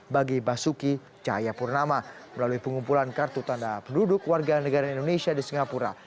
bagi basuki cahayapurnama melalui pengumpulan kartu tanda penduduk warga negara indonesia di singapura